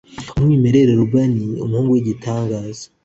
Umwimerere Robin, Umuhungu Wigitangaza